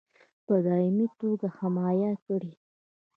په دایمي توګه حمایه کړي.